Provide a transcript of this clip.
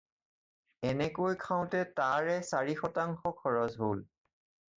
এনেকৈ খাওঁতে তাৰে চাৰি শতাংশ খৰচ হ'ল।